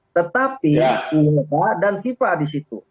tetapi tiva dan tiva di situ